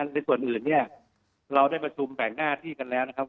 ในส่วนอื่นเนี่ยเราได้ประชุมแบ่งหน้าที่กันแล้วนะครับ